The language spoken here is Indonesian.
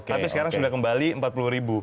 tapi sekarang sudah kembali rp empat puluh